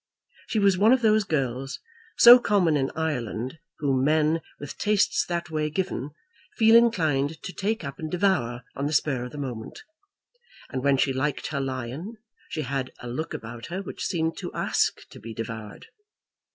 She was one of those girls, so common in Ireland, whom men, with tastes that way given, feel inclined to take up and devour on the spur of the moment; and when she liked her lion, she had a look about her which seemed to ask to be devoured.